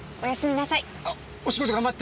あっお仕事頑張って。